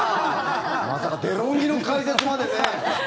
まさかデロンギの解説までね。